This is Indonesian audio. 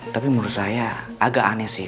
tapi menurut saya agak aneh sih